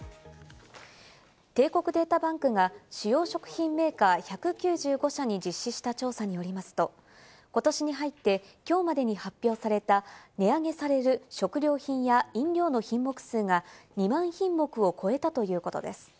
帝国データバンクが主要食品メーカー１９５社に実施した調査によりますと、今年に入って今日までに発表された、値上げされる食料品や飲料の品目数が２万品目を超えたということです。